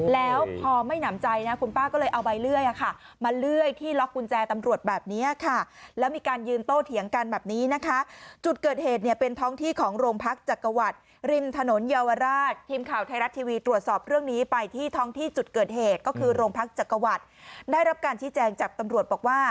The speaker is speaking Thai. แล้วพอไม่หนำใจนะคุณป้าก็เลยเอาใบเลื่อยมาเลื่อยที่ล็อกกุญแจตำรวจแบบนี้ค่ะแล้วมีการยืนโต้เถียงกันแบบนี้นะคะจุดเกิดเหตุเนี่ยเป็นท้องที่ของโรงพักจักรวรรดิริมถนนเยาวราชทีมข่าวไทยรัฐทีวีตรวจสอบเรื่องนี้ไปที่ท้องที่จุดเกิดเหตุก็คือโรงพักจักรวรรดิได้รับการชี้แจงจากตำรวจบอกว่า